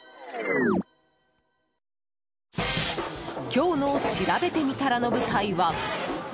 今日のしらべてみたらの舞台は。